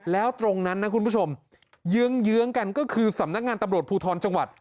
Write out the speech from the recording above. แล้วตรงนั้นนะคุณผู้ชมเยื้องกันก็คือสำนักงานตำรวจภูทรจังหวัด